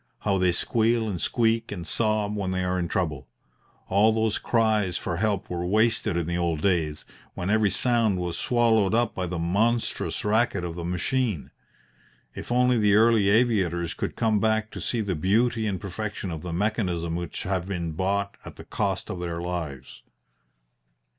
How they squeal and squeak and sob when they are in trouble! All those cries for help were wasted in the old days, when every sound was swallowed up by the monstrous racket of the machine. If only the early aviators could come back to see the beauty and perfection of the mechanism which have been bought at the cost of their lives!